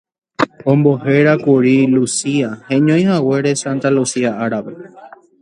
Ombohérakuri Lucía, heñoihaguére Santa Lucía árape.